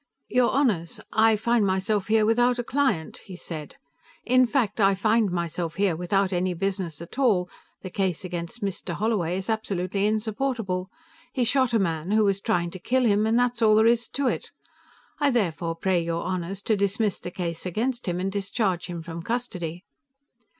"Your Honors, I find myself here without a client," he said. "In fact, I find myself here without any business at all; the case against Mr. Holloway is absolutely insupportable. He shot a man who was trying to kill him, and that's all there is to it. I therefore pray your Honors to dismiss the case against him and discharge him from custody."